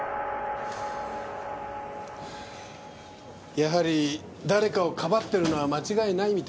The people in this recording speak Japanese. やはり誰かをかばっているのは間違いないみたいですね。